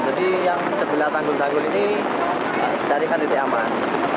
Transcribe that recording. jadi yang sebelah tanggul tanggul ini carikan titik aman